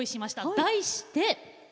題して。